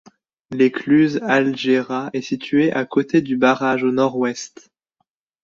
L'écluse Algera est située à côté du barrage au nord-ouest.